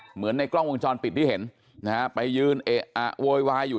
เหมือนในกล้องวงจรปิดที่เห็นนะฮะไปยืนเอะอะโวยวายอยู่